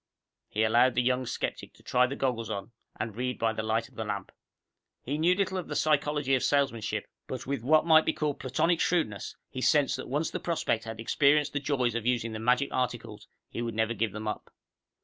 He allowed the young skeptic to try the goggles on and read by the light of the lamp. He knew little of the psychology of salesmanship, but with what might be called Platonic shrewdness, he sensed that once the prospect had experienced the joys of using the magic articles, he would never give them up.